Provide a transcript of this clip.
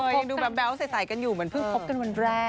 คงดูแบบแบ๊วใสกันอยู่เหมือนเพิ่งคบกันวันแรก